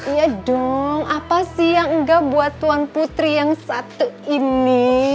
iya dong apa sih yang enggak buat tuan putri yang satu ini